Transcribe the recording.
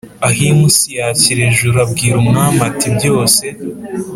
Ahim si ashyira ejuru abwira umwami ati Byose